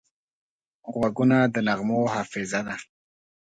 غوږونه د نغمو حافظه ده